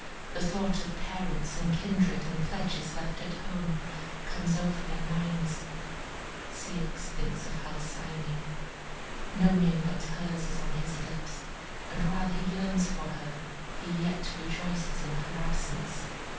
The thought of parents, and kindred, and pledges left at home, comes over their minds. Ceyx thinks of Halcyone. No name but hers is on his lips, and while he yearns for her, he yet rejoices in her absence.